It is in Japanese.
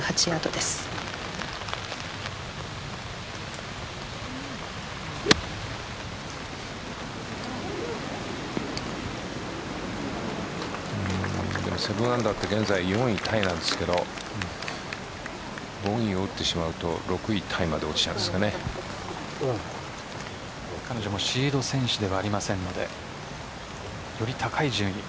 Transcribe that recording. ７アンダーは現在４位タイなんですけどボギーを打ってしまうと６位タイまで彼女もシード選手ではありませんのでより高い順位に。